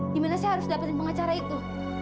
gimana saya harus dapetin pengacara itu